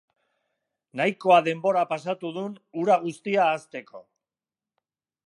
Nahikoa denbora pasatu dun hura guztia ahazteko.